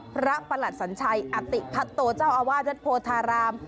พระปหลัดสันชัยอาติปะโตเจ้าอวาดรัฐโพธาราม